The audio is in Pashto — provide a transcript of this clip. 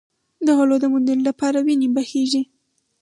د غلو د موندلو لپاره وینې بهېږي.